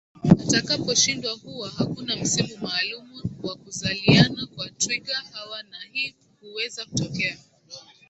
atakapo shindwa Huwa hakuna msimu maalumu wa kuzaliana kwa twiga hawa nahii huweza tokea